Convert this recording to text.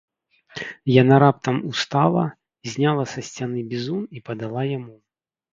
Яна раптам устала, зняла са сцяны бізун і падала яму.